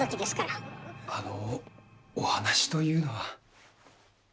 あのお話というのは。